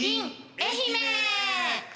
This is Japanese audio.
愛媛！